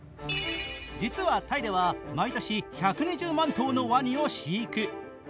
実はタイでは毎年１２０万頭のわにを飼育。